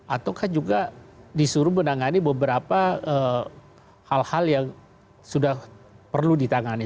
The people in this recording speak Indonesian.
ataukah juga disuruh menangani beberapa hal hal yang sudah perlu ditangani